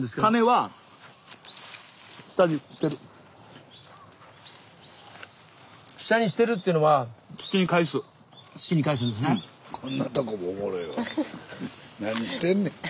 何してんねん。